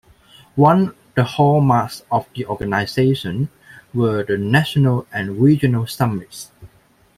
One the hallmarks of the organization were the national and regional summits.